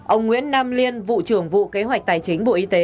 ông nguyễn nam liên vụ trưởng vụ kế hoạch tài chính bộ y tế